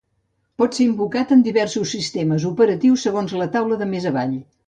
Pot ser invocat en diversos sistemes operatius segons la taula de més avall.